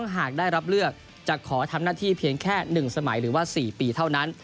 หากได้รับเลือกจะขอทำหน้าที่เพียงแค่๑สมัยหรือว่า๔ปีเท่านั้น